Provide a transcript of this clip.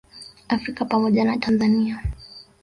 Afrika pamoja na Tanzania